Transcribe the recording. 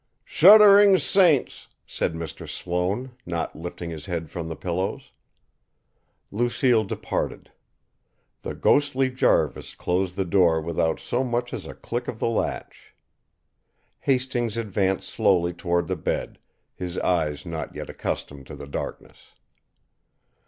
"Shuddering saints!" said Mr. Sloane, not lifting his head from the pillows. Lucille departed. The ghostly Jarvis closed the door without so much as a click of the latch. Hastings advanced slowly toward the bed, his eyes not yet accustomed to the darkness.